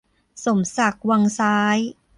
สมศักดิ์ วังซ้าย